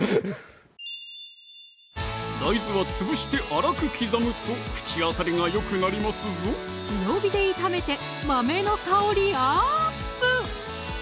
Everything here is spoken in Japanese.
大豆は潰して粗く刻むと口当たりが良くなりますぞ強火で炒めて豆の香りアップ！